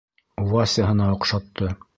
Васяһына оҡшатты.